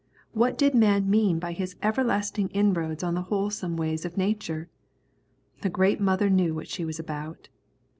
What did man mean by his everlasting inroads on the wholesome ways of nature? The Great Mother knew what she was about.